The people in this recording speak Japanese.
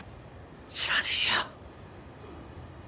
知らねえよ！